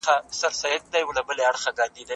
موږ خپل لاسونه پاک ساتو.